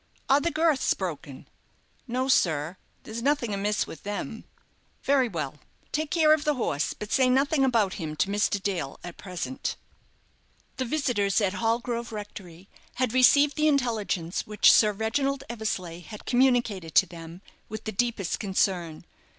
"Are the girths broken?" "No, sir, there's nothing amiss with them." "Very well. Take care of the horse, but say nothing about him to Mr. Dale at present." The visitors at Hallgrove Rectory had received the intelligence which Sir Reginald Eversleigh had communicated to them with the deepest concern.